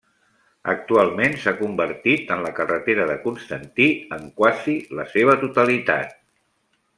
Actualment s'ha convertit en la carretera de Constantí en quasi la seva totalitat.